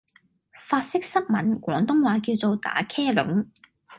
法式濕吻廣東話叫做「打茄輪」